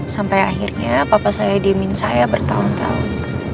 sampai akhirnya papa saya diemin saya bertahun tahun